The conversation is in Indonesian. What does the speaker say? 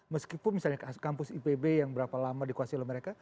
meskipun misalnya kampus ipb yang berapa lama dikuasai oleh mereka